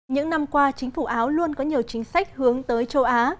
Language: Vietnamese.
những năm qua chính phủ áo luôn có nhiều chính sách hướng tới châu á